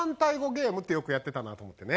ゲームってよくやってたなと思ってね。